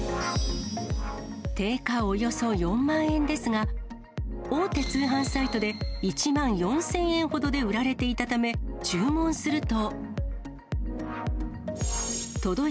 定価およそ４万円ですが、大手通販サイトで１万４０００円ほどで売られていたため、注文すると。